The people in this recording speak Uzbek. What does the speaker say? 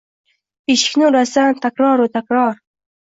Eshikni urasan takroru takror